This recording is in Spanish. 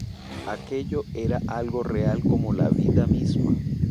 Aquello era algo real como la vida misma